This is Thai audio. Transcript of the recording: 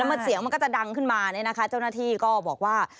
แล้วเสียงมันก็จะดังขึ้นมาเจ้าหน้าที่ก็บอกว่า